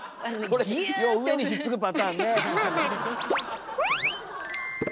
これよう上にひっつくパターンね。